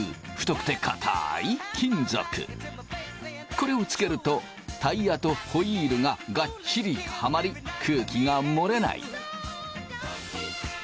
これをつけるとタイヤとホイールがガッチリはまり空気が漏れない。